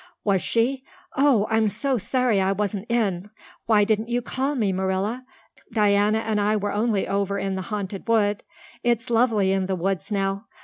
"Was she? Oh, I'm so sorry I wasn't in. Why didn't you call me, Marilla? Diana and I were only over in the Haunted Wood. It's lovely in the woods now.